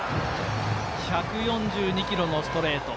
１４２キロのストレート。